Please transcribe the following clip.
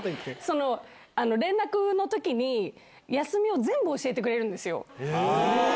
連絡のときに、休みを全部教えてくれるんですよ。